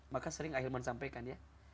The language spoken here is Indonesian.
maka sering ahilman sampaikan ya